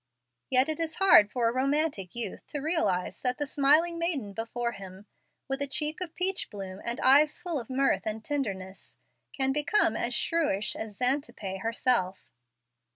Yet it is hard for a romantic youth to realize that the smiling maiden before him, with a cheek of peach bloom and eyes full of mirth and tenderness, can become as shrewish as Xantippe herself.